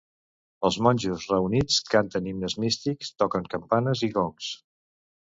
Els monjos reunits canten himnes místics, toquen campanes i gongs.